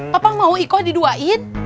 papa mau ikut diduain